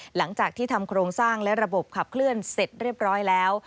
หลังจากที่ทำโครงสร้างและระบบขับเคลื่อนเสร็จเรียบร้อยแล้ว